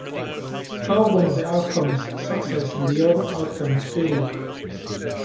Call one of the outcomes "success" and the other outcome "failure".